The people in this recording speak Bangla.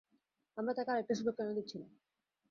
আমরা তাকে আরেকটা সুযোগ কেন দিচ্ছি না?